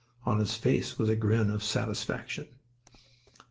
On his face was a grin of satisfaction.